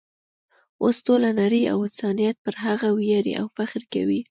اوس ټوله نړۍ او انسانیت پر هغه ویاړي او فخر کوي.